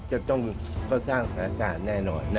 จะต้องสร้างสถานการณ์แน่นอน